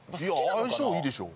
いや相性いいでしょ。